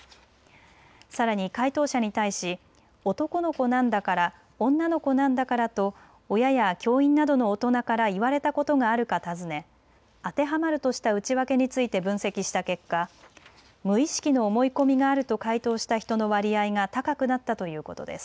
さらに回答者に対し男の子なんだから女の子なんだからと親や教員などの大人から言われたことがあるか尋ね、当てはまるとした内訳について分析した結果、無意識の思い込みがあると回答した人の割合が高くなったということです。